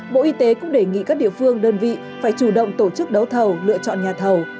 bộ y tế cũng đề nghị các địa phương đơn vị phải chủ động tổ chức đấu thầu lựa chọn nhà thầu